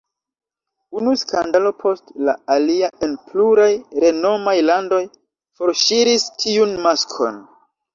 Unu skandalo post la alia en pluraj renomaj landoj forŝiris tiun maskon.